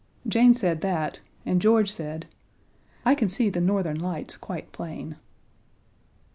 Jane said that, and George said: "I can see the Northern Lights quite plain."